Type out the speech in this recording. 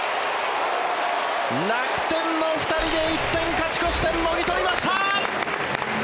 楽天の２人で１点勝ち越し点もぎ取りました。